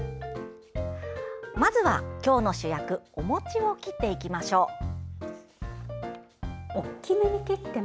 まずは今日の主役お餅を切っていきましょう。